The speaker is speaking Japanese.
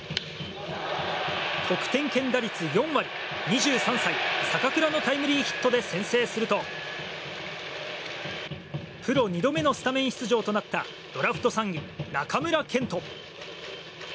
得点圏打率４割２３歳、坂倉のタイムリーヒットで先制するとプロ２度目のスタメン出場となったドラフト３位、中村健人。